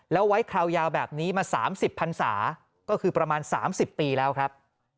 แล้วไว้คราวยาวแบบนี้มา๓๐พันศาก็คือประมาณ๓๐ปีแล้วครับ